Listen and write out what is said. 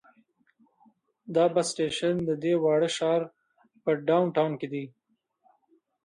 دا بس سټیشن د دې واړه ښار په ډاون ټاون کې دی.